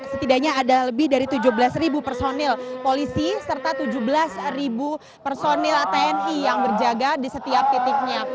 setidaknya ada lebih dari tujuh belas personil polisi serta tujuh belas personil tni yang berjaga di setiap titiknya